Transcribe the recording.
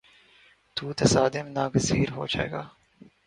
تو تصادم ناگزیر ہو جائے گا۔